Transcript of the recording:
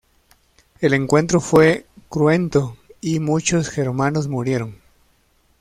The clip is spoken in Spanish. El encuentro fue cruento y muchos germanos murieron.